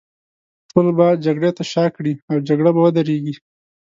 ټول به جګړې ته شا کړي، او جګړه به ودرېږي.